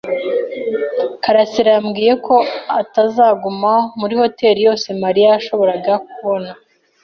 karasira yambwiye ko atazaguma muri hoteri yose Mariya yashoboraga kubona.